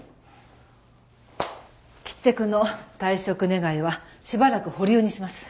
吉瀬くんの退職願はしばらく保留にします。